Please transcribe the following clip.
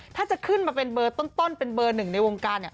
ถ้าจะขึ้นมาเป็นเบอร์ต้นเป็นเบอร์หนึ่งในวงการเนี่ย